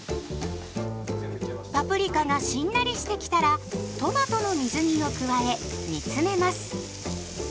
パプリカがしんなりしてきたらトマトの水煮を加え煮詰めます。